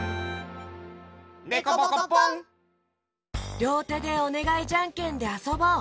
りょうてでおねがいじゃんけんであそぼう！